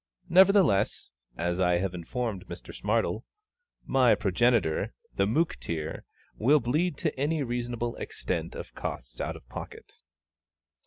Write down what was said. Nevertheless (as I have informed Mr SMARTLE), my progenitor, the Mooktear, will bleed to any reasonable extent of costs out of pocket.